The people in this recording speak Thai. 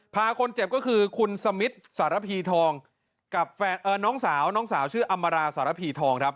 พาคนเจ็บก็คือคุณสมิทสารพีทองกับน้องสาวน้องสาวชื่ออำมาราสารพีทองครับ